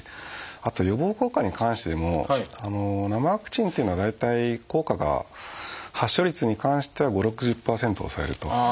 あと予防効果に関してでも生ワクチンっていうのは大体効果が発症率に関しては５０６０％を抑えると。